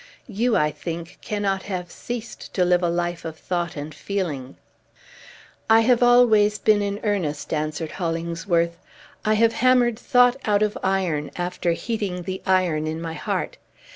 "You, I think, cannot have ceased to live a life of thought and feeling." "I have always been in earnest," answered Hollingsworth. "I have hammered thought out of iron, after heating the iron in my heart!